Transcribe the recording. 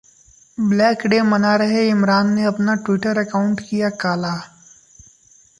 'black day' मना रहे इमरान ने अपना टि्वटर अकाउंट किया काला